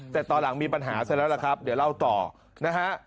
แต่ตอนหลังมีปัญหาซะแล้วล่ะครับเดี๋ยวเล่าต่อนะฮะ